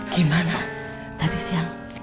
gimana tadi siang